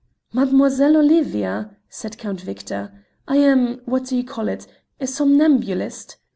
"Mademoiselle Olivia," said Count Victor, "I am what do you call it? a somnambulist.